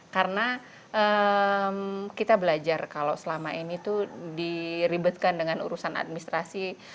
karena kita belajar kalau selama ini diribetkan dengan urusan administrasi